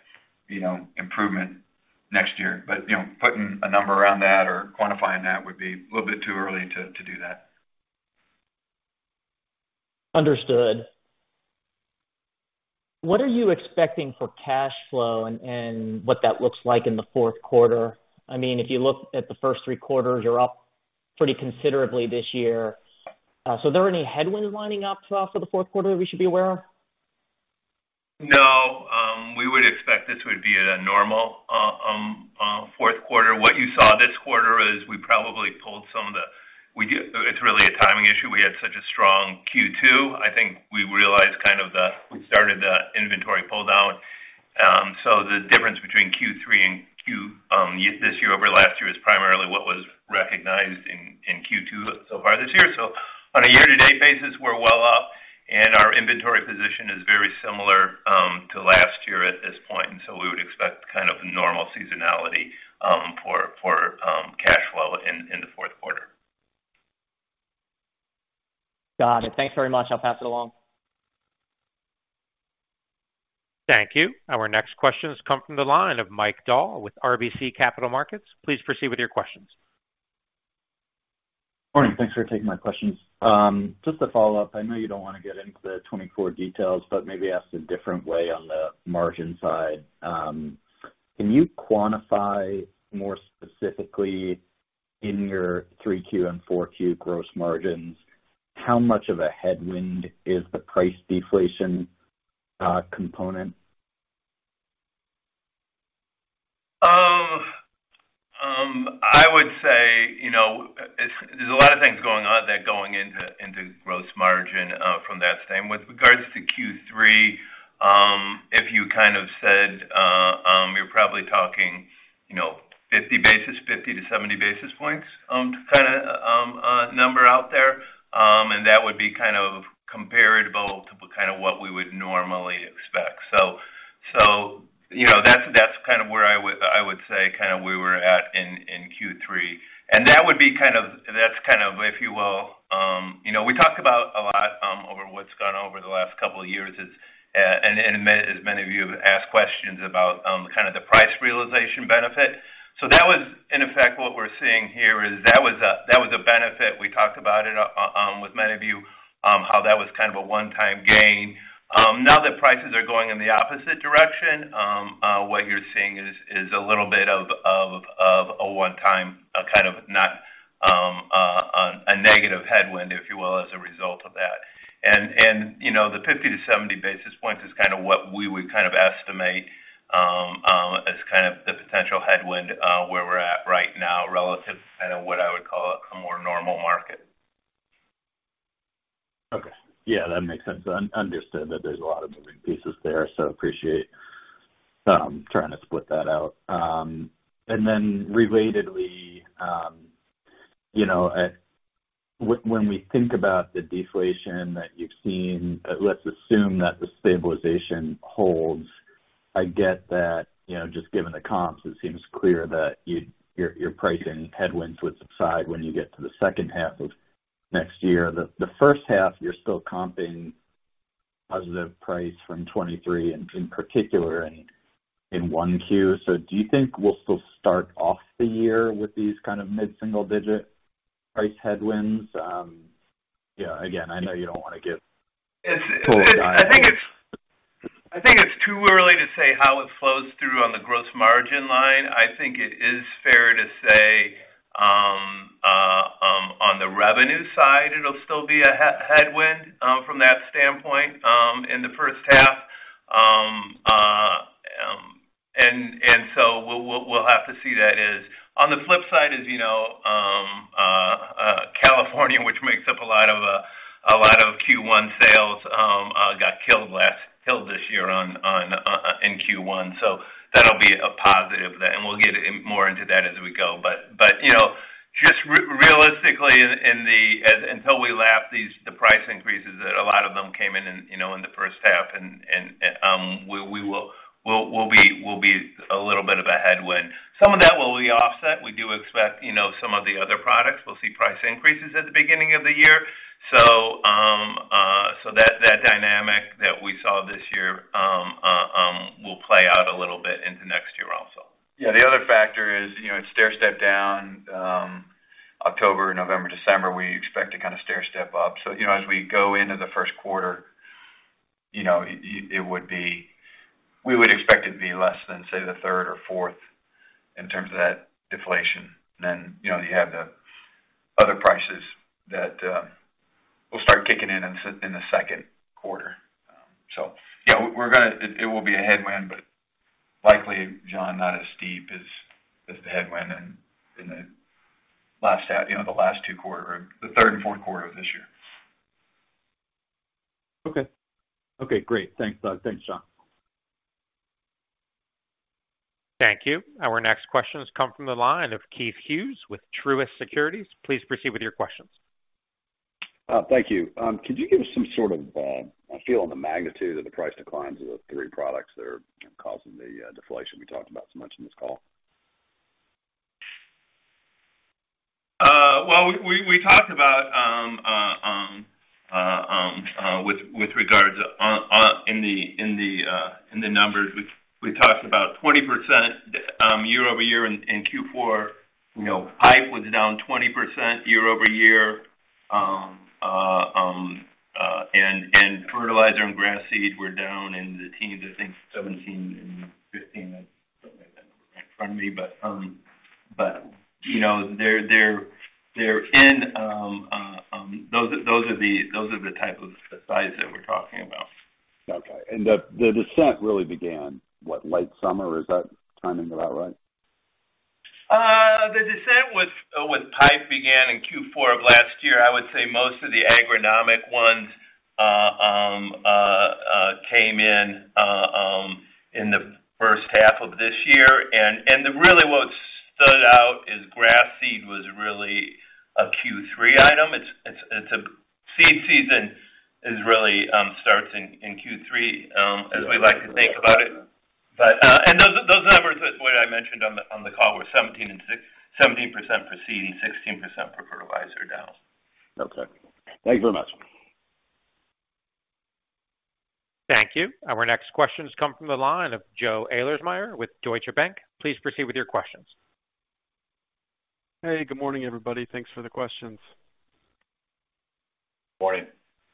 Speaker 3: you know, improvement next year. But, you know, putting a number around that or quantifying that would be a little bit too early to, to do that.
Speaker 8: Understood. What are you expecting for cash flow and what that looks like in the fourth quarter? I mean, if you look at the first three quarters, you're up pretty considerably this year. So are there any headwinds lining up for the fourth quarter we should be aware of?
Speaker 2: No, we would expect this would be at a normal fourth quarter. What you saw this quarter is we probably pulled some of the. It's really a timing issue. We had such a strong Q2. I think we realized kind of the we started the inventory pull-down. So the difference between Q3 and Q this year over last year is primarily what was recognized in Q2 so far this year. So on a year-to-date basis, we're well up, and our inventory position is very similar to last year at this point, and so we would expect kind of normal seasonality for cash flow in the fourth quarter.
Speaker 9: Got it. Thanks very much. I'll pass it along.
Speaker 1: Thank you. Our next questions come from the line of Mike Dahl with RBC Capital Markets. Please proceed with your questions.
Speaker 10: Morning. Thanks for taking my questions. Just to follow up, I know you don't want to get into the 2024 details, but maybe asked a different way on the margin side. Can you quantify more specifically in your three Q and four Q gross margins, how much of a headwind is the price deflation component?
Speaker 2: I would say, you know, it's, there's a lot of things going on that going into, into gross margin, from that standpoint. With regards to Q3, if you kind of said, you're probably talking, you know, 50 basis, 50-70 basis points, kinda, number out there, and that would be kind of comparable to kind of what we would normally expect. So, you know, that's kind of where I would say kind of where we're at in Q3. And that would be kind of, that's kind of, if you will. You know, we talked about a lot over what's gone over the last couple of years, it's, and as many of you have asked questions about, kind of the price realization benefit. So that was, in effect, what we're seeing here is that was a, that was a benefit. We talked about it with many of you how that was kind of a one-time gain. Now that prices are going in the opposite direction, what you're seeing is a little bit of a one-time kind of a negative headwind, if you will, as a result of that. And you know, the 50-70 basis points is kind of what we would kind of estimate as kind of the potential headwind where we're at right now, relative to kind of what I would call a more normal market.
Speaker 10: Okay. Yeah, that makes sense. Understood that there's a lot of moving pieces there, so appreciate trying to split that out. And then relatedly, you know, when we think about the deflation that you've seen, let's assume that the stabilization holds. I get that, you know, just given the comps, it seems clear that your pricing headwinds would subside when you get to the second half of next year. The first half, you're still comping positive price from 2023, and in particular, in 1Q. So do you think we'll still start off the year with these kind of mid-single digit price headwinds? Yeah, again, I know you don't want to give-
Speaker 2: It's-
Speaker 10: full guidance.
Speaker 2: I think it's, I think it's too early to say how it flows through on the Gross Margin line. I think it is fair to say, on the revenue side, it'll still be a headwind, from that standpoint, in the first half. And so we'll have to see. On the flip side is, you know, California, which makes up a lot of Q1 sales, got killed this year in Q1. So that'll be a positive, and we'll get in more into that as we go. But you know, just realistically, until we lap these price increases that a lot of them came in, you know, in the first half, and we'll be a little bit of a headwind. Some of that will be offset. We do expect, you know, some of the other products, we'll see price increases at the beginning of the year. So that dynamic that we saw this year will play out a little bit into next year also.
Speaker 3: Yeah, the other factor is, you know, it's stairstep down, October, November, December, we expect to kind of stairstep up. So, you know, as we go into the first quarter, you know, it would be. We would expect it to be less than, say, the third or fourth in terms of that deflation. Then, you know, you have the other prices that will start kicking in in the second quarter. So yeah, we're gonna it will be a headwind, but likely, John, not as steep as the headwind in the last half, you know, the last two quarter, the third and fourth quarter of this year.
Speaker 10: Okay. Okay, great. Thanks, thanks, John.
Speaker 1: ...Thank you. Our next questions come from the line of Keith Hughes with Truist Securities. Please proceed with your questions.
Speaker 11: Thank you. Could you give us some sort of a feel on the magnitude of the price declines of the three products that are causing the deflation we talked about so much in this call?
Speaker 2: Well, we talked about with regards to the numbers, we talked about 20% year-over-year in Q4. You know, pipe was down 20% year-over-year. And fertilizer and grass seed were down in the teens, I think 17 and 15. I don't have that number in front of me, but, you know, they're in those. Those are the type of the size that we're talking about.
Speaker 11: Okay. And the descent really began, what? Late summer, or is that timing about right?
Speaker 2: The decrease with pipe began in Q4 of last year. I would say most of the agronomic ones came in in the first half of this year. And really what stood out is grass seed was really a Q3 item. It's a... Seed season is really starts in Q3 as we like to think about it. But and those numbers that what I mentioned on the call were 17 and 16-17% for seed, 16% for fertilizer down.
Speaker 11: Okay. Thank you very much.
Speaker 1: Thank you. Our next questions come from the line of Joe Ahlersmeyer with Deutsche Bank. Please proceed with your questions.
Speaker 12: Hey, good morning, everybody. Thanks for the questions.
Speaker 2: Morning.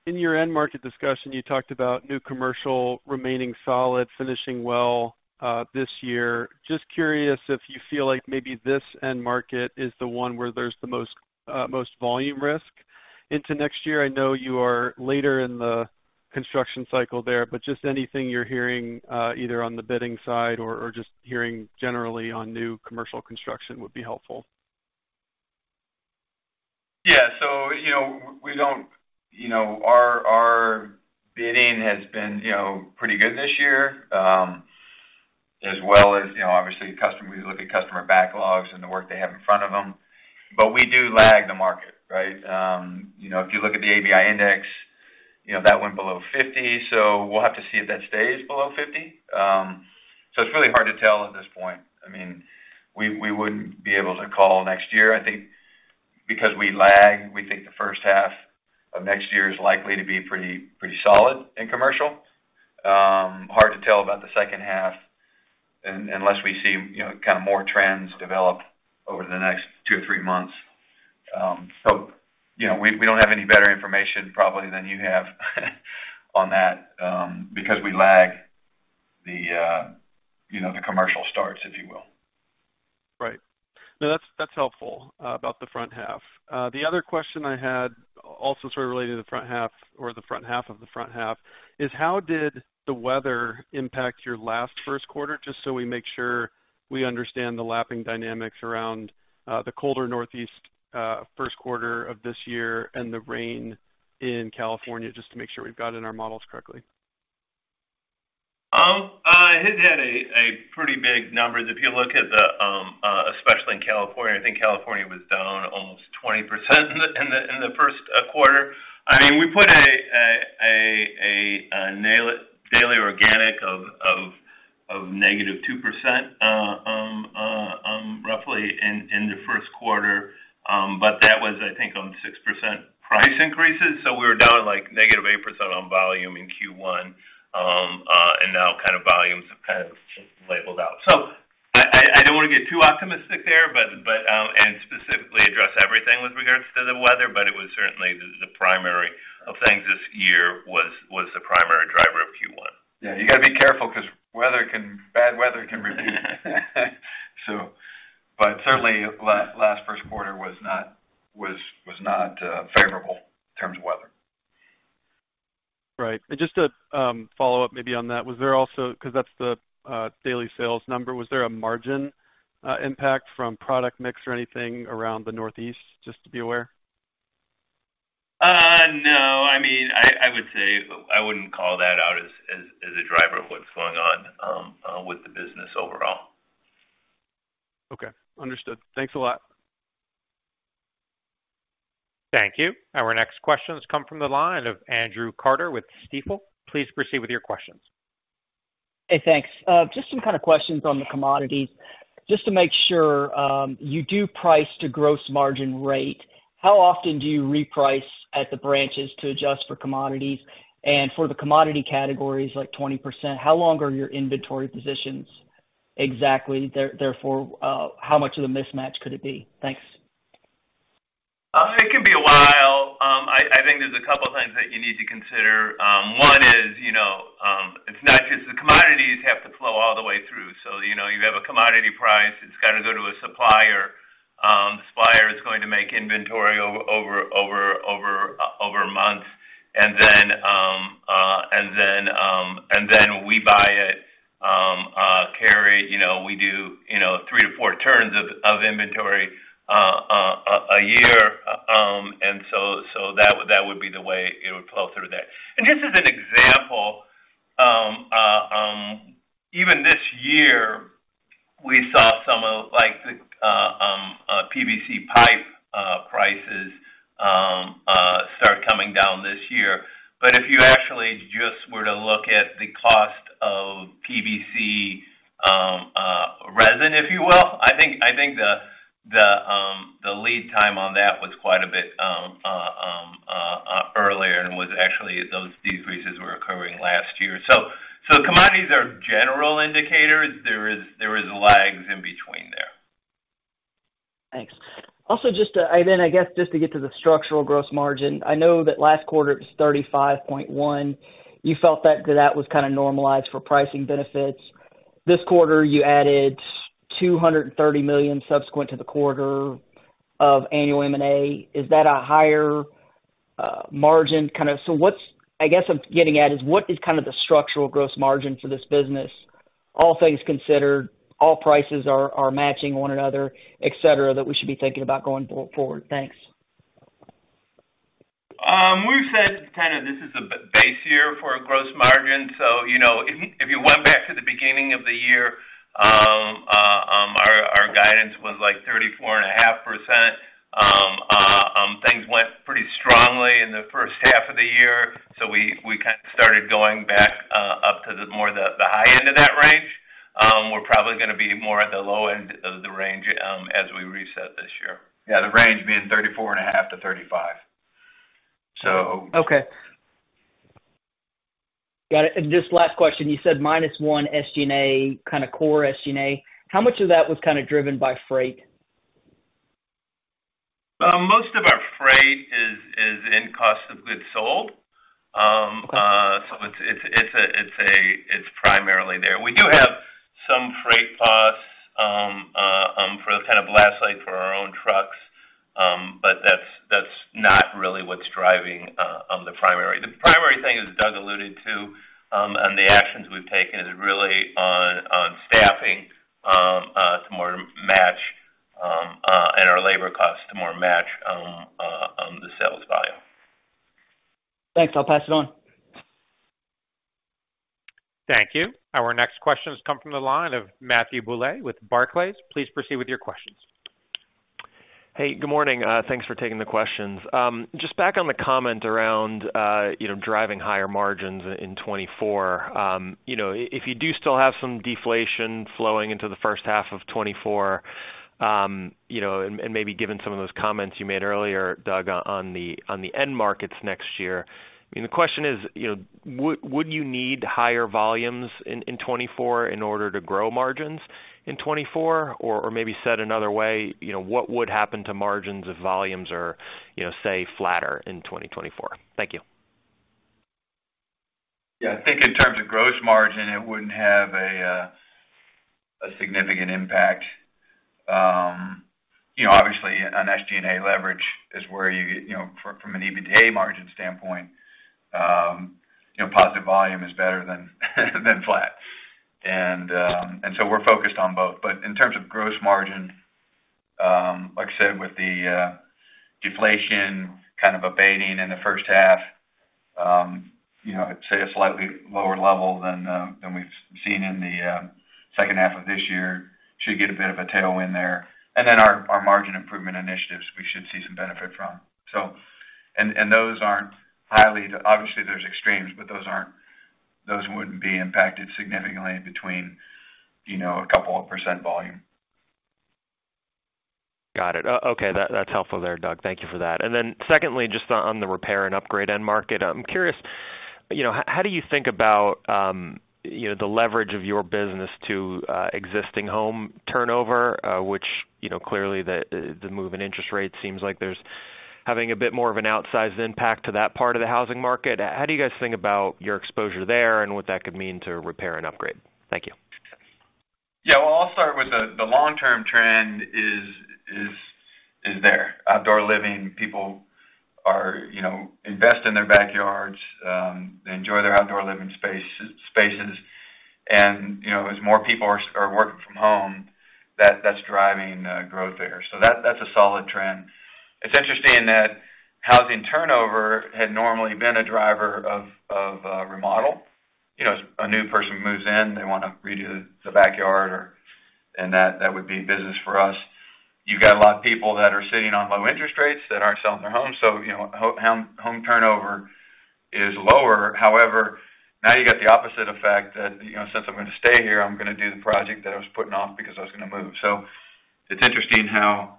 Speaker 12: In your end market discussion, you talked about new commercial remaining solid, finishing well, this year. Just curious if you feel like maybe this end market is the one where there's the most, most volume risk into next year. I know you are later in the construction cycle there, but just anything you're hearing, either on the bidding side or, or just hearing generally on new commercial construction would be helpful.
Speaker 2: Yeah. So, you know, we don't... You know, our bidding has been, you know, pretty good this year, as well as, you know, obviously, customer, we look at customer backlogs and the work they have in front of them. But we do lag the market, right? You know, if you look at the ABI Index, you know, that went below 50, so we'll have to see if that stays below 50. So it's really hard to tell at this point. I mean, we wouldn't be able to call next year. I think because we lag, we think the first half of next year is likely to be pretty solid in commercial. Hard to tell about the second half unless we see, you know, kind of more trends develop over the next two or three months. You know, we don't have any better information probably than you have on that, because we lag the you know the commercial starts, if you will.
Speaker 12: Right. No, that's, that's helpful, about the front half. The other question I had, also sort of related to the front half or the front half of the front half, is how did the weather impact your last first quarter? Just so we make sure we understand the lapping dynamics around, the colder Northeast, first quarter of this year and the rain in California, just to make sure we've got it in our models correctly.
Speaker 2: It had a pretty big number. If you look at the, especially in California, I think California was down almost 20% in the first quarter. I mean, we put a daily organic of -2%, roughly in the first quarter. But that was, I think, on 6% price increases, so we were down, like, -8% on volume in Q1. And now kind of volumes have kind of leveled out. So I don't want to get too optimistic there, but... Specifically address everything with regards to the weather, but it was certainly the primary of things this year was the primary driver of Q1. Yeah, you got to be careful 'cause weather can. Bad weather can really. So, but certainly, last first quarter was not favorable in terms of weather.
Speaker 12: Right. And just to follow up maybe on that, was there also, because that's the daily sales number, was there a margin impact from product mix or anything around the Northeast, just to be aware?
Speaker 2: No. I mean, I would say I wouldn't call that out as a driver of what's going on with the business overall.
Speaker 12: Okay, understood. Thanks a lot.
Speaker 1: Thank you. Our next questions come from the line of Andrew Carter with Stifel. Please proceed with your questions.
Speaker 13: Hey, thanks. Just some kind of questions on the commodities. Just to make sure, you do price to gross margin rate. How often do you reprice at the branches to adjust for commodities? And for the commodity categories, like 20%, how long are your inventory positions exactly? Therefore, how much of a mismatch could it be? Thanks.
Speaker 2: It can be a while. I think there's a couple of things that you need to consider. One is, you know, it's not just the commodities have to flow all the way through. So, you know, you have a commodity price, it's got to go to a supplier. The supplier is going to make inventory over a month, and then we buy it, carry. You know, we do, you know, 3-4 turns of inventory a year. So that would be the way it would flow through that. And just as an example, even this year, we saw some of, like, the PVC pipe prices start coming down this year. But if you actually just were to look at the cost of PVC resin, if you will, I think the lead time on that was quite a bit earlier, and was actually those decreases were occurring last year. So commodities are general indicators. There is lags in between there.
Speaker 13: Thanks. Also, and then I guess, just to get to the structural gross margin, I know that last quarter, it was 35.1. You felt that that was kind of normalized for pricing benefits. This quarter, you added $230 million subsequent to the quarter of annual M&A. Is that a higher margin kind of? So what's, I guess, I'm getting at, is what is kind of the structural gross margin for this business, all things considered, all prices are matching one another, et cetera, that we should be thinking about going forward? Thanks.
Speaker 2: We've said, kind of, this is a base year for a Gross Margin, so, you know, if you went back to the beginning of the year, our guidance was, like, 34.5%. Things went pretty strongly in the first half of the year, so we kind of started going back up to the high end of that range. We're probably gonna be more at the low end of the range as we reset this year.
Speaker 3: Yeah, the range being 34.5-35. So-
Speaker 13: Okay. Got it. Just last question, you said -1 SG&A, kind of, core SG&A, how much of that was kind of driven by freight?
Speaker 2: Most of our freight is in cost of goods sold.
Speaker 13: Okay.
Speaker 2: So it's primarily there. We do have some freight costs for the kind of last mile for our own trucks, but that's not really what's driving the primary. The primary thing, as Doug alluded to, on the actions we've taken, is really on staffing to more match and our labor costs to more match on the sales volume.
Speaker 13: Thanks. I'll pass it on.
Speaker 1: Thank you. Our next question has come from the line of Matthew Bouley with Barclays. Please proceed with your questions.
Speaker 14: Hey, good morning. Thanks for taking the questions. Just back on the comment around, you know, driving higher margins in 2024. You know, if you do still have some deflation flowing into the first half of 2024, you know, and maybe given some of those comments you made earlier, Doug, on the end markets next year, I mean, the question is: You know, would you need higher volumes in 2024 in order to grow margins in 2024? Or maybe said another way, you know, what would happen to margins if volumes are, you know, say, flatter in 2024? Thank you.
Speaker 3: Yeah, I think in terms of gross margin, it wouldn't have a significant impact. You know, obviously, on SG&A leverage is where you get, you know, from an EBITDA margin standpoint, you know, positive volume is better than flat. And so we're focused on both. But in terms of gross margin, like I said, with the deflation kind of abating in the first half, you know, I'd say a slightly lower level than we've seen in the second half of this year, should get a bit of a tailwind there. And then our margin improvement initiatives, we should see some benefit from. So... And those aren't highly, obviously, there's extremes, but those wouldn't be impacted significantly between, you know, a couple of percent volume.
Speaker 14: Got it. Okay, that's helpful there, Doug. Thank you for that. And then secondly, just on the repair and upgrade end market, I'm curious, you know, how do you think about, you know, the leverage of your business to existing home turnover, which, you know, clearly, the move in interest rates seems like there's having a bit more of an outsized impact to that part of the housing market. How do you guys think about your exposure there and what that could mean to repair and upgrade? Thank you.
Speaker 3: Yeah. Well, I'll start with the long-term trend is there. Outdoor living, people are, you know, invest in their backyards, they enjoy their outdoor living spaces, and, you know, as more people are working from home, that's driving growth there. So that's a solid trend. It's interesting that housing turnover had normally been a driver of remodel. You know, a new person moves in, they wanna redo the backyard or... And that would be business for us. You've got a lot of people that are sitting on low interest rates that aren't selling their homes, so, you know, home turnover is lower. However, now you got the opposite effect that, you know, since I'm gonna stay here, I'm gonna do the project that I was putting off because I was gonna move. It's interesting how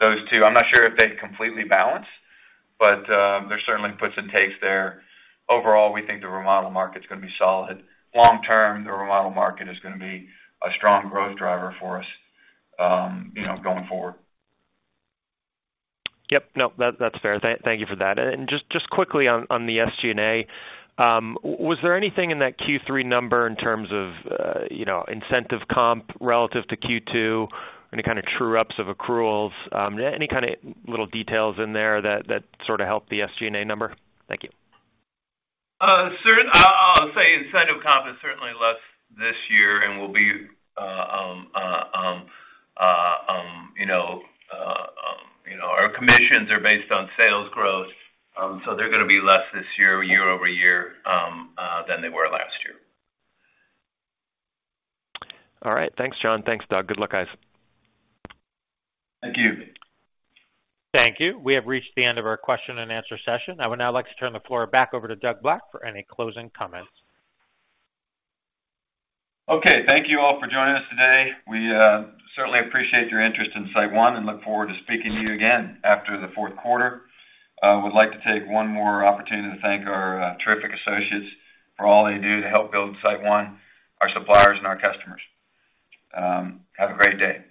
Speaker 3: those two—I'm not sure if they completely balance, but there certainly puts and takes there. Overall, we think the remodel market's gonna be solid. Long term, the remodel market is gonna be a strong growth driver for us, you know, going forward.
Speaker 14: Yep. Nope, that's fair. Thank you for that. And just quickly on the SG&A, was there anything in that Q3 number in terms of, you know, incentive comp relative to Q2, any kind of true-ups of accruals? Any kind of little details in there that sort of helped the SG&A number? Thank you.
Speaker 2: I'll say incentive comp is certainly less this year and will be, you know, you know, our commissions are based on sales growth, so they're gonna be less this year, year-over-year, than they were last year.
Speaker 14: All right. Thanks, John. Thanks, Doug. Good luck, guys.
Speaker 3: Thank you.
Speaker 1: Thank you. We have reached the end of our question and answer session. I would now like to turn the floor back over to Doug Black for any closing comments.
Speaker 3: Okay. Thank you all for joining us today. We certainly appreciate your interest in SiteOne and look forward to speaking to you again after the fourth quarter. Would like to take one more opportunity to thank our terrific associates for all they do to help build SiteOne, our suppliers, and our customers. Have a great day.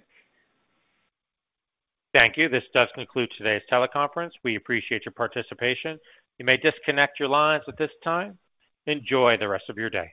Speaker 1: Thank you. This does conclude today's teleconference. We appreciate your participation. You may disconnect your lines at this time. Enjoy the rest of your day.